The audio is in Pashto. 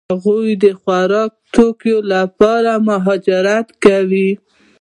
هغوی د خوراکي توکو لپاره مهاجرت کاوه.